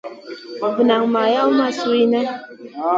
Vu nak ma lawn sui nʼa.